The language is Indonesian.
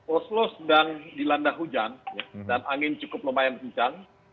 oslo sedang dilandah hujan dan angin cukup lumayan hujan